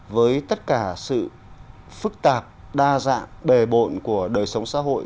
với tất cả sự phức tạp đa dạng bề bộn của đời sống xã hội